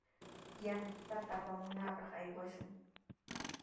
Yantata apamunapaq aywashun.